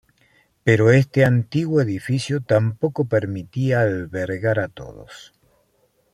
Pero este antiguo edificio tampoco permitía albergar a todos.